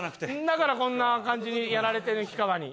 だからこんな感じにやられてる氷川に。